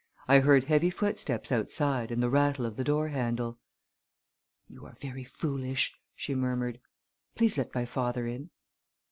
I heard heavy footsteps outside and the rattle of the doorhandle. "You are very foolish!" she murmured. "Please let my father in."